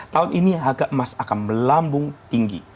tahun ini harga emas akan melambung tinggi